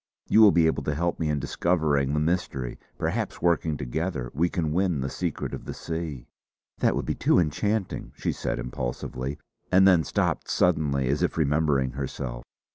You will be able to help me in discovering the Mystery; perhaps working together we can win the Secret of the Sea." "That would be too enchanting!" she said impulsively, and then stopped suddenly as if remembering herself.